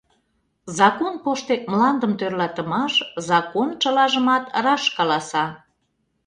Закон поштек мландым тӧрлатымаш Закон чылажымат раш каласа.